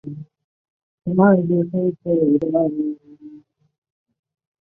胭脂红是一般用语为一特别深红色颜色。